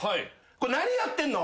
「これ何やってんの？」